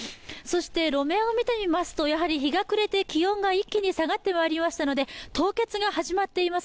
路面を見てみますと、日が暮れて気温が一気に下がってまいりましたので凍結が始まっています。